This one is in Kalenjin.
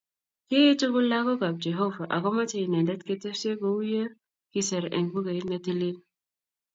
Kii tugul lakok ab Jeovah akomache Inendet ketbsee kouyo ikiser eng bukuit ne tilil